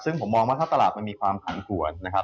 ซึ่งผมมองว่าถ้าตลาดมันมีความผันผวนนะครับ